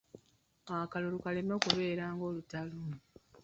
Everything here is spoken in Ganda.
Akalulu kaleme kubeera nga lutalo.